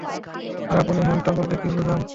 আর আপনি হেনস্থা বলতে কী বোঝান?